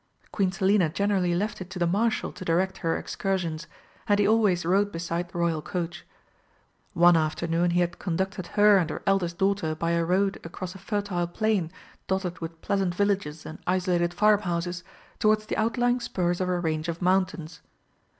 Queen Selina generally left it to the Marshal to direct her excursions, and he always rode beside the Royal coach. One afternoon he had conducted her and her eldest daughter by a road across a fertile plain dotted with pleasant villages and isolated farmhouses, towards the outlying spurs of a range of mountains.